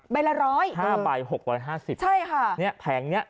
ใบละร้อย๕ใบ๖๕๐ใช่ค่ะแพงเนี่ย